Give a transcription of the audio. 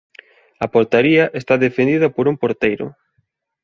A portaría está defendida por un porteiro.